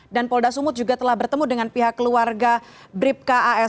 dan polda sumut juga telah bertemu dengan pihak keluarga brip kas